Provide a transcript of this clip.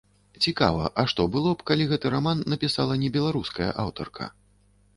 Цікава, а што было б, калі гэты раман напісала не беларуская аўтарка?